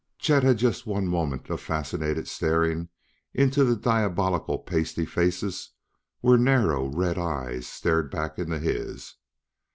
Chet had just one moment of fascinated staring into the diabolical, pasty faces where narrow, red eyes stared back into his.